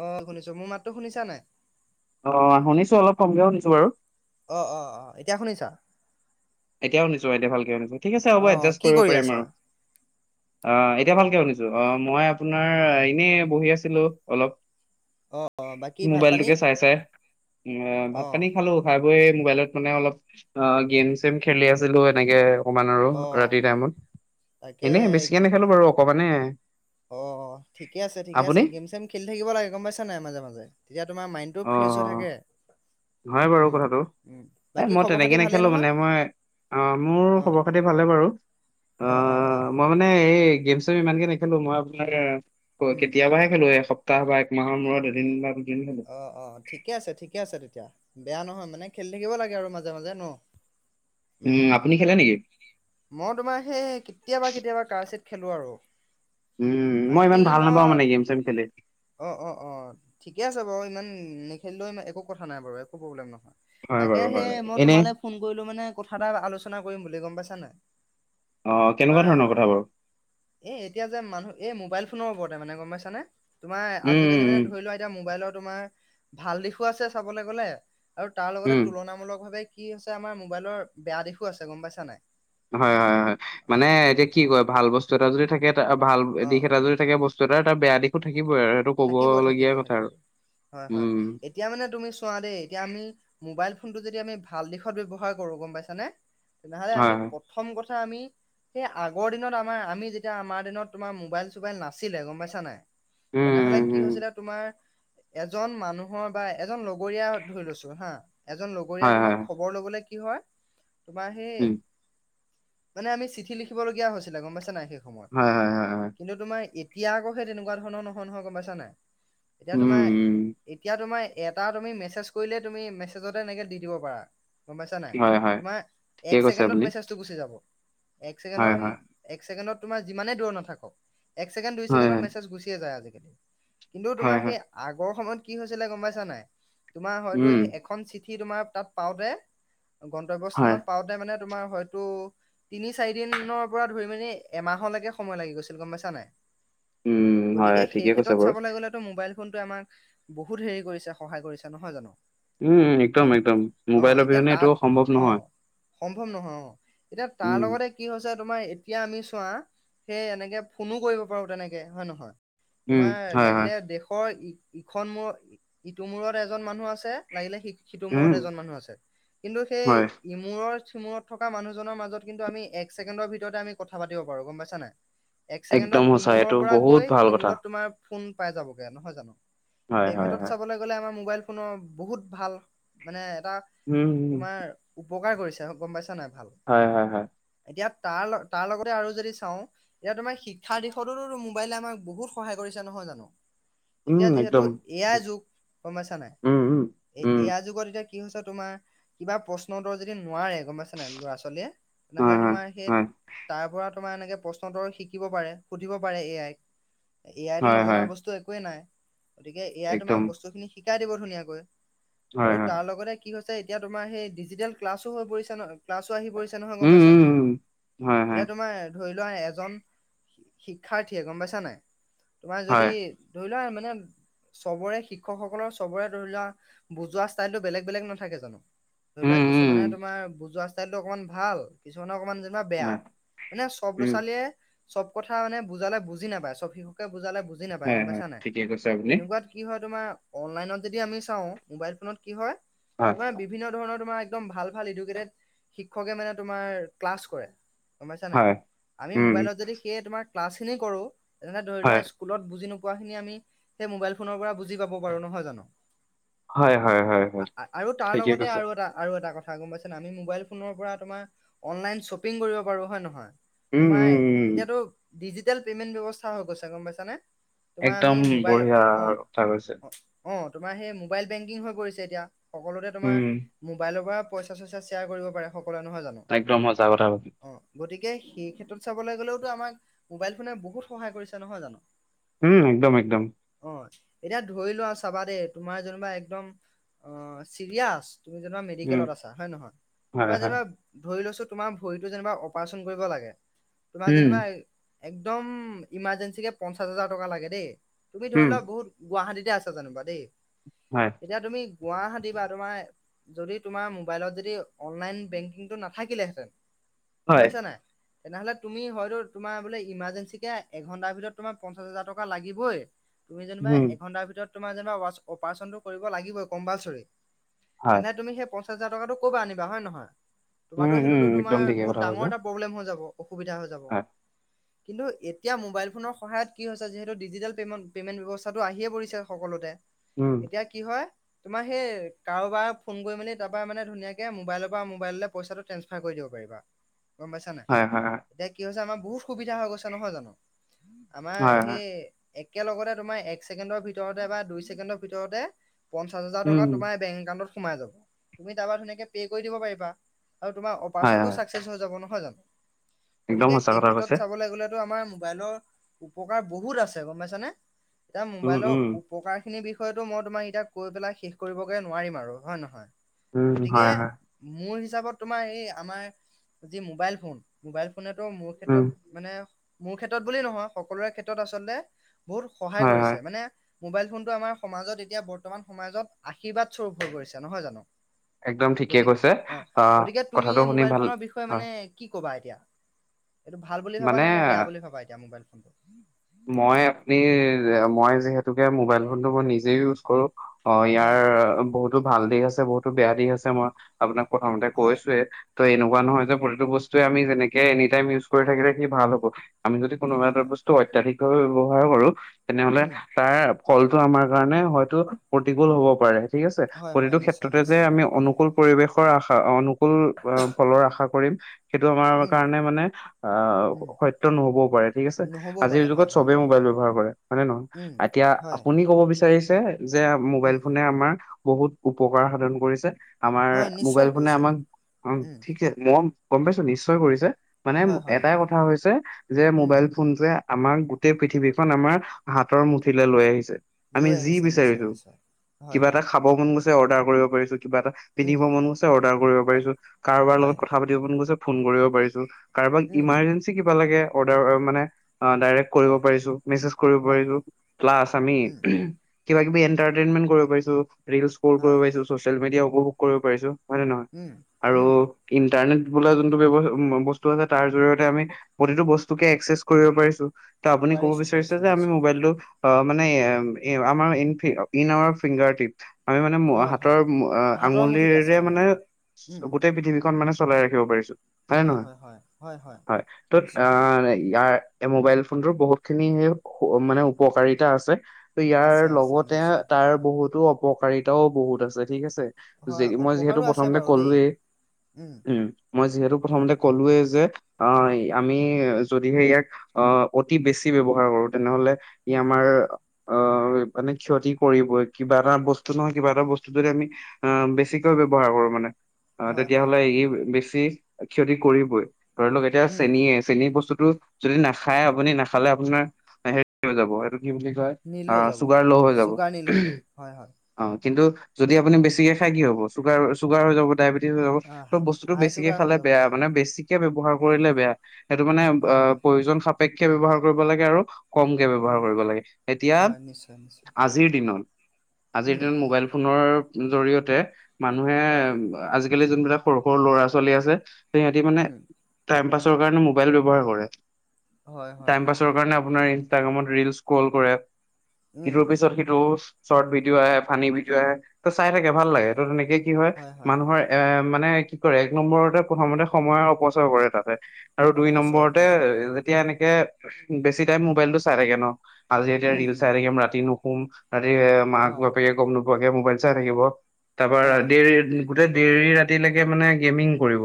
অহ, শুনিছোঁ। মোৰ মাতো শুনিছানে নাই? অহ, শুনিছোঁ অলপ কমকে শুনিছোঁ বাৰু। অহ', অহ', অহ'। এতিয়া শুনিছা? এতিয়াও শুনিছোঁ এতিয়া ভালকে শুনিছোঁ। ঠিক আছে হ'ব অ এডজাষ্ট কি কৰিব কৰি পাৰিম আছা আৰু। অহ, এতিয়া ভালকে শুনিছোঁ। অহ, মই আপোনাৰ এনেই বহি আছিলোঁ অলপ। অ অ বাকী ভাত পানী মোবাইলটোকে চাই-চাই অহ, অ ভাত পানী খালোঁ। খাই বৈয় মোবাইলত মানে অলপ অহ, গেম-চেম খেলি আছিলোঁ এনেকে। অকমান আৰু অ ৰাতিৰ টাইমত, তাকে এনেই বেছিকে নেখালোঁ বাৰু অকমানেই। অহ, ঠিকে আছে, ঠিকে আছে। গেম-চেম খেলি থাকিব লাগে গম পাইছানে নাই মাজে-মাজে। তেতিয়া তোমাৰ মাইণ্ডটো অ ফ্ৰেছ হৈ থাকে। হয় বাৰু উম কথাটো। উম এ বাকী মই খবৰ খাতি তেনেকে ভালেই নেখেলোঁ নহয় মানে মই অহ, মোৰ খবৰ খাতি ভালে বাৰু। অ' অহ', অহ', অহ'। মই মানে এই গেম-চেম ইমানকে নেখেলোঁ। মই আপোনাৰ উম কেতিয়াবাহে খেলো এক একসপ্তাহ বা এক মাহৰ মূৰত এদিন বা দুদিন খেলো। অহ', অহ' ঠিকে আছে, ঠিকে আছে তেতিয়া। বেয়া নহয় মানে খেলি থাকিব লাগে আৰু মাজে-মাজে ন'। উম, আপুনি খেলে নেকি? মই তোমাৰ সেই কেতিয়াবা-কেতিয়াবা কাৰচেত খেলোঁ আৰু। উম, মই ইমান ভাল নাপাওঁ মানে গেম-চেম খেলি। অহ', অহ', অহ' ঠিকে আছে বাৰু। ইমান নেখেলিলেও ইমান একো কথা নাই বাৰু একো প্ৰব্লেম নহয়। হয় তাকে বাৰু হয়। সেই মই এনে তোমালৈ ফোন কৰিলো মানে কথা এটা আলোচনা কৰিম বুলি গম পাইছানে নাই? অহ, কেনেকুৱা ধৰণৰ কথা বাৰু? এ এতিয়া যে মানুহ, এই মোবাইল ফোনৰ ওপৰতে মানে গম পাইছানে? তোমাৰ উম, উম, আজিকালি মানে ধৰিলোৱা এতিয়া মোবাইলৰ তোমাৰ ভাল দিশো আছে চাবলৈ গ'লে আৰু তাৰ উম, লগতে উম, তুলনামূলক ভাৱে কি হৈছে আমাৰ মোবাইলৰ বেয়া দিশো আছে গম পাইছানে নাই? হয়, হয়, হয়। অ মানে এতিয়া কি কয় ভাল বস্তু এটা যদি থাকে, ভাল অ দিশ এটা যদি থাকে, বস্তু বস্তুটোৰ এটা বেয়া দিশো থাকিবই আৰু সেইটো ক'বলগীয়া কথা আৰু। থাকিব-থাকিব-থাকিব হয়, হয়। উম, এতিয়া মানে তুমি চোৱা দেই, এতিয়া আমি মোবাইল ফোনটো যদি আমি ভাল দিশত ব্যৱহাৰ কৰো গম পাইছানে, তেনেহ'লে হয়, আমি হয়, প্ৰথম প্ৰথম কথা আমি সেই আগৰ দিনত আমাৰ, আমি যেতিয়া আমাৰ দিনত তোমাৰ মোবাইল চোবাইল নাছিলে গম পাইছানে নাই? উম, তেনেহ'লে উম, কি উম, হৈছিলে তোমাৰ এজন মানুহৰ বা এজন লগৰীয়া ধৰি লৈছো হা এজন লগৰীয়া হয়, হয়, তোমাৰ ঘৰলে গ'লে কি হয়। উম, মানে আমি চিঠি লিখিবলগীয়া হৈছিলে গ'ম পাইছানে নাই সেই সময়ত। হয়, হয়, হয়, হয়। কিন্তু তোমাৰ এতিয়া আকৌ সেই তেনেকুৱা ধৰণৰ নহয় নহয় গ'ম পাইছানে নাই। এতিয়া উম, তোমাৰ, উম, এতিয়া তোমাৰ। এটা তুমি মেছেজ কৰিলে তুমি মেছেজতে এনেকে দি দিব পাৰা। গ'ম পাইছা নাই হয়, হয়। তোমাৰ এক ঠিকে কৈছে ছেকেণ্ডত আপুনি। মেচেজ টো গুচি যাব। এক হয় ছেকেণ্ডত হয় এক ছেকেণ্ডত তোমাৰ যিমানেই দূৰত নাথাকক। এক ছেকেণ্ড দুই হয় ছেকেণ্ডত হয় মেছেজ গুচিয়ে যায় আজিকালি। কিন্তু তোমাৰ হয় হয় সেই আগৰ সময়ত কি হৈছিলে গ'ম পাইছা নাই। তোমাৰ হয়তো উম। এখন চি ঠি তোমাৰ তাত পাওঁতে হয়। গন্তব্যস্থানত পাওঁতে মানে তোমাৰ হয়তো তিনি চাৰি দিনৰ পৰা ধৰি মেলি এমাহলৈকে সময় লাগি গৈছিল গ'ম পাইছা নাই। উম, হয় ঠিকে কৈছে বাৰু। লাই গ'লেটো মোবাইল ফোন আমাক বহুত হেৰি কৰিছে সহায় কৰিছে নহয় জানো। উম, উম, একদম একদম মোবাইল অ' এতিয়া অবিহনে এইটো তাত সম্ভৱ নহয়। অ' সম্ভৱ নহয় অ', এতিয়া উম। তাৰ লগতে কি হৈছে তোমাৰ এতিয়া আমি চোৱা সেই এনেকে ফোনো কৰিব পাৰো তেনেকে হয় নহয়। উম, তোমাৰ হয় হয় লাগিলে দেশৰ ই ইখন মূৰ ইটোৰ মূৰত এজন মানুহ আছে লাগিলে সি সিটো উম, মূৰত এজন মানুহ আছে। কিন্তু সেই হয় ইমূৰ সিমূুৰত থকা মানুহজনৰ মাজত কিন্তু আমি এক ছেকেণ্ডৰ ভিততে আমি কথা পাতিব পাৰো গ'ম পাইছ নাই। এক একদম ছেকেণ্ডত সঁচা এইটো ইমূৰৰ পৰা বহুত গৈ ভাল কথা। সিমূৰত তোমাৰ ফোন পাই যাবগৈ নহয় জানো। হয় সেই হয় ক্ষেত্ৰত হয় চাবলৈ গলে আমাৰ মোবাইল ফোনৰ বহুত ভাল মানে এটা উম, উম, তোমাৰ উপকাৰ কৰিছে গ'ম পাইছা নাই ভাল। হয়, হয়, হয়। এতিয়া তাৰ তাৰ লগতে আৰু যদি চাওঁ, এতিয়া তোমাৰ শিক্ষাৰ দিশতো মোবাইলে আমাৰ বহুত সহায় কৰিছো নহয় জানো? উম, এতিয়া যিহেতু একদম। এ আই যুগ, সমস্যা নাই। উম, উম, এ উম, এ আই যুগত এতিয়া কি হৈছে তোমাৰ কিবা প্ৰশ্ন উত্তৰ যদি নোৱাৰে গ'ম পাইছে নাই ল'ৰা ছোৱালীয়ে হয় তেনেহ'লে হয় তোমাৰ সেই হয় তাৰ পৰা তোমাৰ এনেকৈ প্ৰশ্ন উত্তৰ শিকিব পাৰে সুধিব পাৰে এ আইক। এ আইটো হয় হয় নজনা বস্তু একোৱেই নাই। গতিকে এ আই তোমাৰ একদম বস্তুখিনি শিকাই দিব ধুনীয়াকৈ। হয় আৰু হয় তাৰ লগতে কি হৈছে এতিয়া তোমাৰ সেই ডিজিটেল ক্লাছো হৈ পৰিছে ন ক্লাছো আহি পৰিছে নহয় গ'ম উম, পাইছা উম, নাই। উম। হয় হয় এতিয়া তোমাৰ ধৰি লোৱা এজন শিক্ষাৰ্থীয়ে গ'ম পাইছা নাই। তোমাৰ যদি হয় ধৰি লোৱা মানে চবৰে শিক্ষকসকলৰ চবৰে ধৰি লোৱা বুজোৱা ষ্টাইলটো বেলেগ বেলেগ নাথাকে জানো। ধৰি লোৱা উম, উম, কিছুমানে তোমাৰ বুজোৱা ষ্টাইল টো অকমান ভাল কিছুমানে অকণমান বেয়া। হয় মানে চব ল'ৰা উম, ছোৱালীয়ে চব কথা মানে বুজালে বুজি নাপায়। চব শিশু কে বুজালে বুজি নাপায় হয় গ'ম হয় পাইছা নাই। ঠিকে কৈছে আপুনি তেনেকুৱাত কি হয় তোমাৰ অনলাইনত যেতিয়া আমি চাওঁ, মোবাইল ফোনত কি হয় হয় বিভিন্ন ধৰণৰ তোমাৰ একদম ভাল ভাল এডুকেটেড শিক্ষকে মানে তোমাৰ ক্লাছ কৰে। গ'ম পাইছা নাই হয়। আমি উম, মোবাইলত যদি সেই তোমাৰ ক্লাছখিনি কৰোঁ। তেনেহ'লে ধৰি লোৱা হয়, স্কুলত বুজি নোপোৱা খিনি মোবাইল ফোনৰ পৰা বুজি পাব পাৰো নহয় জানো। হয়, হয়, হয়, হয়, আৰু তাৰ ঠিকে লগতে কৈছে। আৰু এটা আৰু এটা কথা গ'ম পাইছা নে নাই। আমি মবাইল ফোনৰ পৰা তোমাৰ অনলাইন শ্বপিং কৰিব পাৰো হয় নহয়। উম, তোমাৰ উম, উম, এতিয়াতো ডিজিটেল পেমেণ্ট ব্যৱস্থা হৈ গৈছে গ'ম পাইছ নে। তোমাৰ আমি একদম মোবাইল বঢ়িয়া অ', কথা কৈছে। অ'। অ, তোমাৰ সেই মোবাইল বেংকিং হৈ গৈছে এতিয়া, সকলোতে তোমাৰ উম, মোবাইলৰ পৰা পইচা-চইচা শ্বেয়াৰ কৰিব পাৰে সকলো, নহয় জানো। একদম সঁচা কথা কৈছা। অ, গতিকে সেই ক্ষেত্ৰত চাবলৈ গ'লেওতো আমাক মোবাইল ফোনে বহুত সহায় কৰিছে, নহয় জানো? উম, একদম-একদম। অ, এতিয়া ধৰি লোৱা আৰু চাবা দেই তোমাৰ যেনিবা একদম অ চিৰিয়াচ তুমি যেনিবা উম, মেডিকেলত আছা হয় নহয়? হয়, তোমাৰ হয়, যেনিবা ধৰি লৈছো তোমাৰ ভৰিটো যেনিবা অপাৰচন কৰিব লাগে তোমাৰ উম, যেনিবা একদম ইমাৰ্জেঞ্চিকে পঞ্চাছ হাজাৰ টকা লাগে দেই, তুমি উম, ধৰি লোৱা বহুত গুৱাহাটীতে আছা যেনিবা দেই। হয়। এতিয়া তুমি গুৱাহাটী বা তোমাৰ যদি তোমাৰ মোবাইলত যদি অনলাইন বেংকিংটো নাথাকিলেহেঁতেন গম হয়, পাইছা নাই? তেনেহলে তুমি হয়তো তোমাৰ বোলে ইমাৰ্জেঞ্চিকে এঘন্টাৰ ভিতৰত তোমাৰ পঞ্চাশ হাজাৰ টকা লাগিবই, তুমি যেনিবা উম, এঘণ্টাৰ ভিতৰত তোমাৰ যেনিবা অপাৰেশ্যন কৰিব লাগিবই কমপালছাৰি, হয়, এনে তূমি সে হাজাৰ টকাটো কৰ পৰা আনিবা হয় নহয়? তোমাৰতো উম, উম, সেইটোতো তোমাৰ একদম ঠিকে বহুত কথা ডাঙৰ কৈছা। এটা প্ৰব্লেম হৈ যাব। অসুবিধা হৈ যাব, হয়, কিন্তু এতিয়া মোবাইল ফোনৰ সহায়ত কি হৈছে যিহেতু ডিজিটেল পেমণ-পেমেণ্ট ব্যৱস্থাটো আহিয়ে পৰিছে সকলোতে। উম, এতিয়া কি হয় তোমাৰ সেই কাৰোবাৰ ফোন কৰি মেলি তাৰ পৰা মানে ধুনীয়াকে মোবাইলৰ পৰা মোবাইললৈ পইচাটো ট্ৰেন্সফাৰ কৰি দিব পাৰিবা। [inaudible] গ'ম পাইছা নাই, হয়, হয়, হয়, এতিয়া কি হৈছে আমাৰ বহুত সুবিধা হৈ গৈছে নহয় জানো? আমাৰ হয়, হয়, সেই একেলগতে তোমাৰ এক ছেকেণ্ডৰ ভিতৰতে বা দুই ছেকেণ্ডৰ ভিতৰতে পঞ্চাশ হাজাৰ টকা উম, তোমাৰ বেংক একাউণ্টত সোমাই যাব, তুমি তাৰপৰা ধুনীয়াকে পে' কৰি দিব পাৰিবা। আৰু তোমাৰ হয়, অপাৰেচনটো হয়, ছাকচেছ হৈ যাব নহয় জানো, একদম গতিকে সঁচা সেই কথা ক্ষেত্ৰত কৈছে। চাবলৈ গ'লে আমাৰ মোবাইলৰ উপকাৰ বহুত আছে গম পাইছানে? এতিয়া উম, মোবাইলৰ উম, প্ৰকাৰ খিনিৰ বিষয়তো মই তোমাৰ এতিয়া কৈ পেলাই শেষ কৰিবগৈ নোৱাৰিম আৰু হয় নে নহয়। উম, গতিকে হয়, হয়, মোৰ হিচাপত তোমাৰ এই আমাৰ যি মোবাইল ফোন মোবাইল ফোনেটো মোৰ উম, ক্ষেত্ৰত মানে মোৰ ক্ষেত্ৰত বুলি নহয়, সকলোৰে ক্ষেত্ৰত আচলতে বহুত সহায় হয়, হয়, কৰিছে মানে মোবাইল ফোনটো আমাৰ সমাজত এতিয়া বৰ্তমান সমাজত আশীৰ্বাদ স্বৰূপ হৈ পৰিছে নহয় জানো। একদম ঠিকে গতিক কৈছে। অ' আহ, গতিকে তুমি কথাটো এই শুনি মোবাইল ভাল ফোনৰ বিষয়ে হয়, মানে কি ক'বা এতিয়া, এইটো ভাল বুলি ভাবা নে নে বেয়া মানে বুলি ভাবা এতিয়া মোবাইল ফোনটো? মই আপুনি মই যিহেতুকে মোবাইল ফোনটো নিজেই ইউচ কৰোঁ। অ' হয় ইয়াৰ হয় বহুতো ভাল দিশ আছে বহুতো বেয়া দিশ আছে মই আপোনাক প্ৰথমতে হয় কৈছোয়ে। ত এনেকুৱা নহয় যে প্ৰতিটো বস্তুৱে আমি যেনেকে এনি টাইম ইউছ কৰি থাকিলে সি ভাল হ'ব। আমি যদি কোনোবা হয় এটা হয় বস্তু অত্যাধিকভাৱে ব্যৱহাৰো কৰো তেনেহ'লে উম তাৰ ফলটো আমাৰ কাৰণে হয়তো প্ৰতিকূল হব পাৰে ঠিক আছে, হয় হয় প্ৰতিটো নিশ্চয় ক্ষেত্ৰতে যে নিশ্চয় আমি অনুকুল পৰিৱেশৰ আশা অনুকুল ফলৰ আশা কৰিম সেইটো আমাৰ উম, কাৰণে মানে উম, আহ সত্য নহ'বও পাৰে ঠিক আছে। নহ'বও আজিৰ পাৰে যুগত হয়, হয়, চবেই মোবাইল ব্যৱহাৰ কৰে হয়নে নহয়, উম, এতিয়া হয়, আপুনি ক'ব বিচাৰিছে যে মোবাইল উম, ফোনে আমাৰ বহুত উপকাৰ সাধন কৰিছে। আমাৰ হয়, মোবাইল নিশ্চয় ফোনে কৰিছে, আমাক উম, ঠিকে মই গম পাইছো নিশ্চয় কৰিছে। মানে হয়, হয়, এটাই কথা হৈছে যে উম, মোবাইল ফোনটোৱে আমাৰ গোটেই পৃথিৱীখন আমাৰ হাতৰ মুঠিলৈ লৈ আহিছে। আমি লৈ যি আহিছে নিশ্চয়, বিচাৰিছো নিশ্চয়। হয়, কিবা হয়, এটা খাব মন গৈছে অৰ্ডাৰ কৰিব পাৰিছো, কিবা এটা উম, পিন্ধিব মন গছে অৰ্ডাৰ কৰিব পাৰিছো, কাৰবাৰ লগত হয়, কথা কথা পাতিব মন গৈছে ফোন কৰিব পাৰিছো কাৰোবাক উম, ইমাৰ্জেঞ্চি কিবা লাগে অৰ্ডাৰ মানে অ, ডাইৰেক্ট কৰিব অ', পাৰিছো মেছেজ কৰিব হয়, পাৰিছো, হয়, প্লাছ আমি উম, কিবা কিবি এণ্টাৰটেইনমেণ্ট কৰিব পাৰিছো ৰিলছ স্ক্ৰল কৰিব হয়, পাৰিছো, চচিয়েল মিডিয়া উপভোগ কৰিব পাৰিছো। হয় নে নহয়? উম, আৰু উম, ইণ্টাৰনেট বোলা যিটো বস্তু আছে তাৰ জৰিয়তে আমি প্ৰতিটো বস্তুকে এক্সেছ কৰিব পাৰিছো, আপুনি ক'ব পাৰিছোঁ, বিচাৰিছে পাৰিছোঁ যে আমি নিশ্চয়, মোবাইলটো অ', মানে এ এ আমাৰ in in our fingertip আমি মানে অ', হয়, হাতৰ হয়। অ', হাতৰ মুঠিত আছে আঙুলিৰে মানে উম, উম, গোটেই পৃথিৱীখন মানে চলাই ৰাখিব পাৰিছো হয়নে হয়, নহয়, হয়, হয়, হয়, ত' নিশ্চয়, ইয়াৰ এই মোবাইল ফোনতোৰ বহুতখিনি মানে উপকাৰিতা আছে। আছে, ইয়াৰ আছে লগতে নিশ্চয়, তাৰ বহুতো অপকাৰিতাও বহুত আছে ঠিক আছে। যি হয়, মই অপকাৰো যিহেতু আছে প্ৰথমতে বাৰু দেই, ক'লোৱেই উম', মই যিহেতু প্ৰথমতে ক'লোৱেই যে অ' আমি যদিহে ইয়াক অতি বেছি ব্যৱহাৰ কৰো তেনেহ'লে ই উম, আমাৰ অ', মানে ক্ষতি কৰিবই কিবা এটা বস্তু নহয় কিবা এটা বস্তু যদি আমি অ', বেছিকৈ ব্যৱহাৰ কৰো মানে। অ', হয়, হয়, তেতিয়াহ'লে এই বেছি ক্ষতি কৰিবই, ধৰি লওক এতিয়া উম। চেনীয়ে চেনী বস্তুতটো যদি নাখায় আপুনি নাখালে আপোনাৰ হেৰি হৈ যাব এইটো কি বুলি কয় নীল হৈ যাব চুগাৰ ল' হৈ যাব। চুগাৰ নীল হৈ যাব হয় হয় অ', কিন্তু যদি আপুনি বেছিকে খাই কি হ'ব চুগাৰ চুগাৰ হৈ যাব ডায়েবেটি টিক হৈ যাব, অ ত' বস্তুতটো হাই বেছিকে চুগাৰ হৈ খালে যাব বেয়া হয় মানে বেছিকে ব্যৱহাৰ উম কৰিলে বেয়া। সেইটো মানে হয় আহ হয় প্ৰয়োজন সাপেক্ষে ব্যৱহাৰ কৰিব লাগে আৰু কমকে ব্যৱহাৰ উম কৰিব লাগে, এতিয়া হয় নিশ্চয় নিশ্চয় আজিৰ দিনত আজিৰ উম দিনত মোবাইল ফোনৰ জৰিয়তে মানুহে অ আজি আজাকালি যোনবিলাক সৰু সৰু ল'ৰা ছোৱালী আছে সিহঁতি মানে উম টাইম পাছৰ কাৰণে মোবাইল ব্যৱহাৰ কৰে। হয় হয়। টাইম পাছৰ কাৰণে আপোনাৰ ইনষ্টাগ্ৰামত ৰিল স্ক্ৰল কৰে, উম সিটোৰ পিছত সিটো চৰ্ট ভিডিঅ' আহে ফানী ভিডিঅ' আহে ত' চাই থাকে ভাল লাগে হয় ত তেনেকে কি হয় মানুহৰ এ মানে কি কৰে এক নম্বৰতে প্ৰথমতে সময়ৰ অপচয় কৰে তাতে আৰু দুই অপচয় নম্বৰতে অপচয় হয় এ এতিয়া এনেকে বেছি টাইম মোবাইলটো চাই থাকে ন', আজি এতিয়া উম ৰিল উম চাই থাকিম ৰাতি নু শুম ৰাতি মাক অ বাপেকে গম নোপোৱাকে মোবাইল চাই থাকিব, অ তাৰপৰা দেৰি গোটেই দেৰি ৰাতিলৈকে মানে গেমিং কৰিব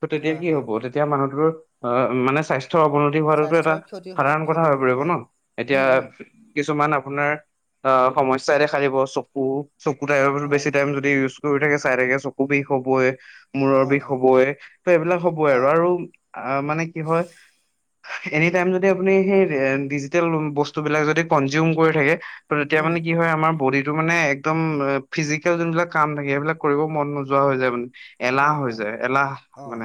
ত', তেতিয়া হয় কি হয় হ'ব হয় তেতিয়া মানুহটোৰ অ', মানে স্বাস্থ্যৰ অৱনতি হোৱাটোতো এটা স্বাস্থ্যৰ ক্ষতি সাধাৰণ কথা ক্ষতি হৈ হ'ব পৰিব হয় ন' এতিয়া উম উম কিছুমান আপোনাৰ অ', সমস্যাই দেখা দিব চকু চকু টাইম হয় বেছি হয় টাইম যদি ইজ কৰি থাকে চাই থাকে চকু বিষ হ'বই মূৰৰ অ বিষ অ হ'বই ত' এইবিলাক হ'বই অ আৰু আৰু আ মানে কি হয় এনি টাইম যদি আপুনি সেই ডিজিটেল বস্তবিলাক যদি কনজিউম কৰি থাকে তেতিয়া উম মানে কি হয় আমাৰ বডিটো মানে একদম ফিজিকেল যোনবিলাক কাম থাকে সেইবিলাক কৰিব মন নোযোৱা হৈ যায় মানে। এলাহ হয় হৈ হয় যায় এলাহ, অ মানে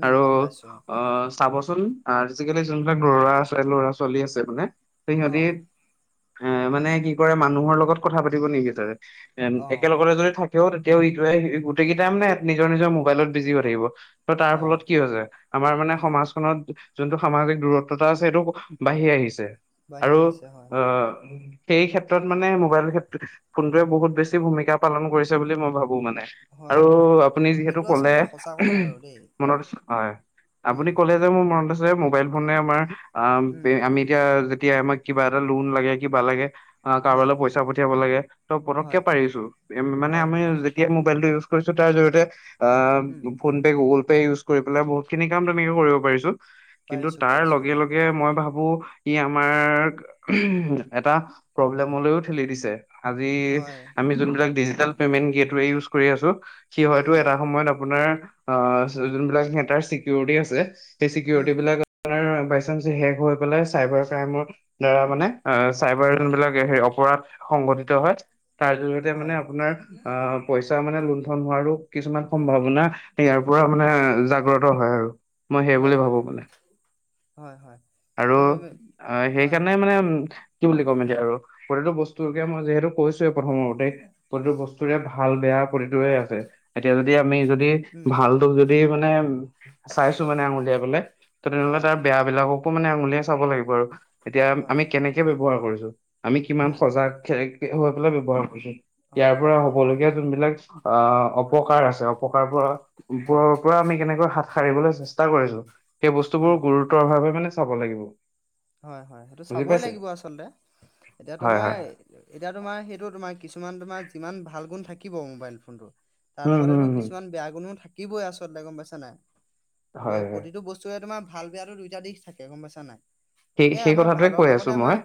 উম আৰু গম পাইছো অ' চাবচোন আজিকালি যোনবিলাক ল'ৰা আছে ল'ৰা ছোৱালী আছে মানে অ সিহঁতি এ মানে কি কৰে মানুহৰ লগত কথা পাতিব নিবিচাৰে, আ অ একেলগতে যদি থাকে কেও তেতিয়াও গোটেইকেইটা মানে নিজৰ নিজৰ মোবাইলত বিজি হৈ থাকিব। ত' তাৰ অ অ' ফলত কি হৈ যায় আমাৰ মানে উম সমাজখনত যোনটো সামাজিক দূৰত্বতা আছে সেইটো বাঢ়ি আহিছে আৰু বাঢ়ি আহিছে হয় হয় আহ সেই ক্ষেত্ৰত মানে মোবাইল কেত ফোনটোৱে বহুত বেছি ভূমিকা পালন কৰিছে বুলি মই ভাবো মানে। হয় আৰু হয় আপুনি যিহেতু সেইটো ক'লে আচলতে সঁচা কথা বাৰু দেই। মনত হয় উম, আপুনি উম, ক'লে মোৰ মনত আছে যে মোবাইল ফোনে আমাৰ উম, আমি এতিয়া যেতিয়া আমাক কিবা এটা লোন লাগে কিবা লাগে অ', হয়, কাৰোবালৈ পইচা পঠিয়াব লাগে ত' পতককে হয়, পাৰিচোন মানে হয়, আমি হয়, মবাইলটো ইউজ কৰিছো তাৰ জৰিয়তে আ উম, ফোন গুগল পে ইউজ কৰি বহুত খিনি কাম তুমি কৰিব পাৰিছোঁ। কিন্তু পাৰিছোঁ, তাৰ পাৰিছোঁ, লগে হয়, লগে মই ভাবোঁ ই আমাৰ এটা প্ৰব্লেমলৈও ঠেলি দিছে। আজি হয়, আমি যোনবিলাক ডিজিটেল পেমেন্ট এইটোৱে ইউজ কৰি আছো সি হয়তো উম, এটা সময়ত আপোনাৰ অ', যোনবিলাক স তাৰ চিকিউৰিটি আছে সেই উম, চিকিউৰিটি বিলাক বাই চানস শেষ হৈ পেলাই চাইবাৰ ক্ৰাইমৰ দ্বাৰা মানে অ', চাইবাৰ যোন হয়, বিলাক হেৰি অপৰাধ সংঘটিত হয় তাৰ জৰিয়তে মানে হয়, আপোনাৰ আহ পইচা মানে লুণ্ঠন হোৱাৰো কিছুমান সম্ভাৱনা ইয়াৰ পৰা মানে জাগ্ৰত হয় আৰু মই সেই হয়, বুলি হয়, ভাবোঁ হয়, মানে হয়, হয়। আৰু সেইটো তুমি অ', হয়, সেইকাৰণে হয়, মানে উ কি বুলি কম এতিয়া আৰু প্ৰতিটো বস্তুকে মই যিহেতু কৈছোৱে প্ৰথম মতেই প্ৰতিটো বস্তুৰে ভাল বেয়া প্ৰতিটোৱে আছে এতিয়া যদি আমি যদি উম, ভালটোক যদি মানে চাইছো মানে আঙুলিয়াইবলে ত তেনেহ'লে অ', তাৰ বেয়া বিলাককো মানে আঙুলিয়ে চাব লাগিব আৰু। এতিয়া হয়, আমি কেনেকে ব্যৱহাৰ কৰিছোঁ আমি কিমান উম, সজাগ হৈ পেলাই ব্যৱহাৰ কৰিছোঁ। হয়, ইয়াৰ পৰা হয়, হ'বলগীয়া যোনবিলাক আহ অপকাৰ আছে অপকাৰ হয়, পৰা পৰা আমি কেনেকৈ হাত সাৰিবলৈ চেষ্টা কৰিছোঁ সেই উম, বস্তুবোৰ গুৰুতৰ ভাৱে মানে চাব লাগিব। হয়, হয় সেইটো বুজি চাবই পাইছে? লাগিব আচলতে এতিয়া হয় তোমাৰ হয়। এতিয়া তোমাৰ সেইটো তোমাৰ কিছুমান তোমাৰ যিমান ভাল গুণ থাকিব মোবাইল ফোনটো তাৰ উম, হুম, লগতেতো হুম, কিছুমান বেয়া গুণেও থাকিবই আচলতে গম পাইছ নাই হয় গতিকে হয়। প্ৰতিটো বস্তু তোমাৰ ভাল বেয়াতো দুইটা দিশ থাকে গম পাইছ নাই। সেই গতিকে সেই আমাৰ কথাটোৱে ভালৰ কৈ আছোঁ লগতে আমাৰ মই